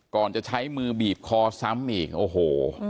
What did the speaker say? ก่อนจะใช้มือบีบคอซ้ำอีกโอ้โห